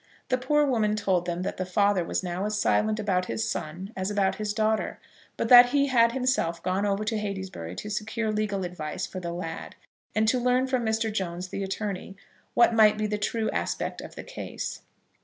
The poor woman told them that the father was now as silent about his son as about his daughter, but that he had himself gone over to Heytesbury to secure legal advice for the lad, and to learn from Mr. Jones, the attorney, what might be the true aspect of the case.